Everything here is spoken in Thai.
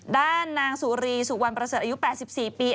ด้านนางสุรีสุวรรณประเสริฐอายุ๘๔ปี